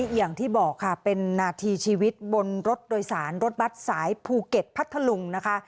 อย่างที่บอกค่ะเป็นนาทีชีวิตบนรถโดยสารรถบัตรสายภูเก็ตพัทธลุงนะคะ